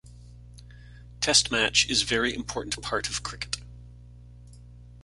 Test match is very important part of cricket.